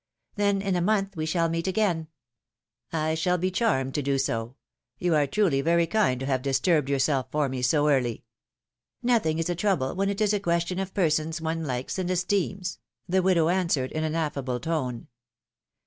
Then in a month we shall meet again." I shall be charmed to do so ; you are truly very kind to have disturbed yourself for me so early —" Nothing is a trouble when it is a question of persons one likes and esteems," the widow answered, in an affable tone.